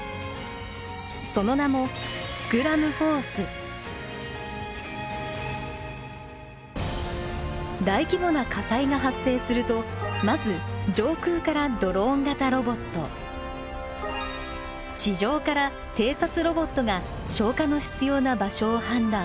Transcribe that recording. その名も大規模な火災が発生するとまず上空からドローン型ロボット地上から偵察ロボットが消火の必要な場所を判断。